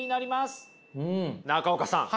中岡さん